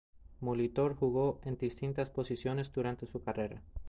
Molitor jugó en distintas posiciones durante su carrera.